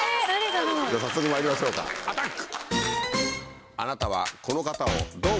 早速まいりましょうかアタック！